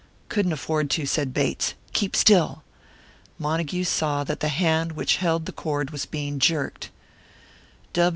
"Couldn't afford to," said Bates. "Keep still!" Montague saw that the hand which held the cord was being jerked.